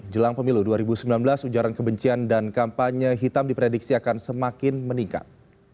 jelang pemilu dua ribu sembilan belas ujaran kebencian dan kampanye hitam diprediksi akan semakin meningkat